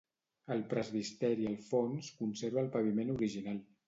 El presbiteri al fons, conserva el paviment original.